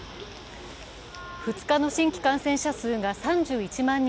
２日の新規感染者数が３１万